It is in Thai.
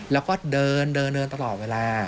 แล้วก็เดินเดินตลอดเวลา